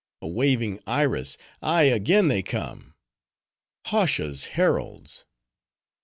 A waving Iris! ay, again they come:— Hautia's heralds!"